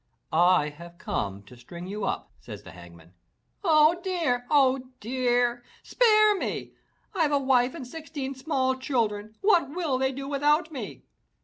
*' "I have come to string you up," says the Hangman. "Oh dear! Oh dear! Spare me! I've a wife and sixteen small children! What will they do without me?"